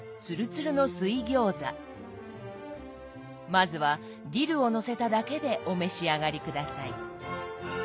まずはディルをのせただけでお召し上がり下さい。